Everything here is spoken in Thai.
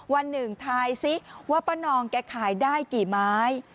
วันหนึ่งทายซิว่าป้านองแกขายได้กี่ไม้